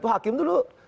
itu hakim dulu